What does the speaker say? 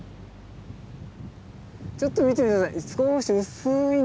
ちょっと見て下さい。